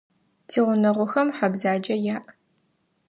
Тигъунэгъухэм хьэ бзэджэ яӏ.